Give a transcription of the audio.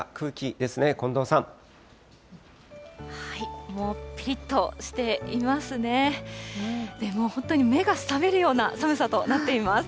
でも本当に目が覚めるような寒さとなっています。